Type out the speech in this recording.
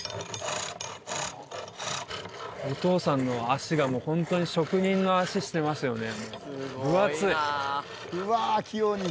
お父さんの足がもうホントに職人の足してますよね